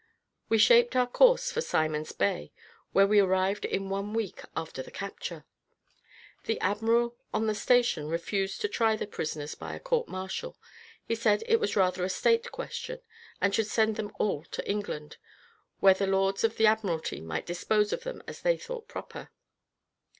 We shaped our course for Simon's Bay, where we arrived in one week after the capture. The admiral on the station refused to try the prisoners by a court martial; he said it was rather a state question, and should send them all to England, where the lords of the admiralty might dispose of them as they thought proper.